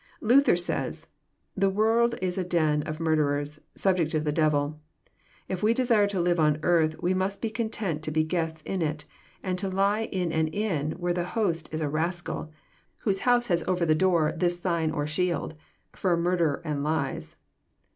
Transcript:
Luther says :The world Is a den of murderers, subject to the devil. If we desire to live on earth, we must be content to be guests in it, and to lie in an inn where the host is a rascal, whose house has over the door this sign or shield, ' For murder and lies.'